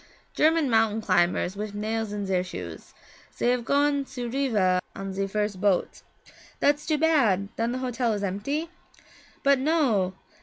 'German mountain climbers wif nails in zer shoes. Zey have gone to Riva on ze first boat.' 'That's too bad then the hotel is empty?' 'But no!